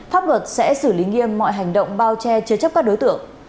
pháp luật sẽ xử lý nghiêm mọi hành động bao che chứa chấp các đối tượng